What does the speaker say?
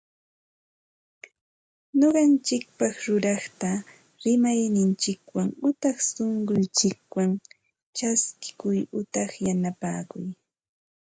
Ñuqanchikpaq ruraqta rimayninchikwan utaq sunqunchikwan chaskikuy utaq yanapakuy